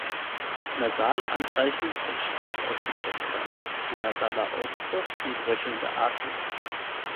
Nasale Anzeichen können stark ausgeprägt sein, wie nasaler Ausfluss und röchelnde Atmung.